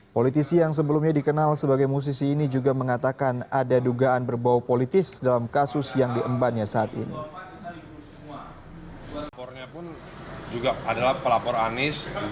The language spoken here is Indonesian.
politisi yang sebelumnya dikenal sebagai musisi ini juga mengatakan ada dugaan berbau politis dalam kasus yang diembannya saat ini